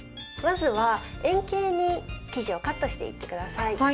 まずは円形に生地をカットしていってください。